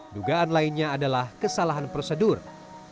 dugaan lainnya adalah kesalahan prosedur